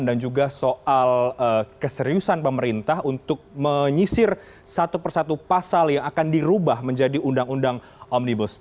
dan juga soal keseriusan pemerintah untuk menyisir satu persatu pasal yang akan dirubah menjadi undang undang omnibus